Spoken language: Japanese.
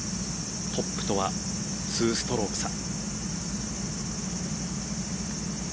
トップとは２ストローク差。